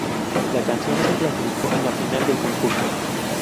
La canción no se clasificó en la final del concurso.